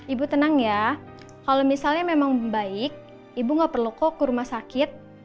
ibu tenang ya kalau misalnya memang baik ibu nggak perlu kok ke rumah sakit